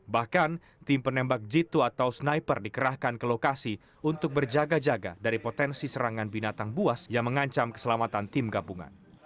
bahkan tim penembak jitu atau sniper dikerahkan ke lokasi untuk berjaga jaga dari potensi serangan binatang buas yang mengancam keselamatan tim gabungan